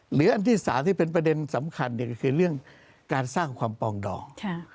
อันที่๓ที่เป็นประเด็นสำคัญก็คือเรื่องการสร้างความปองดอง